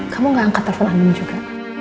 kamu tidak angkat telepon andien juga